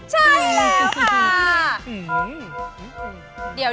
ใช่แล้วค่ะ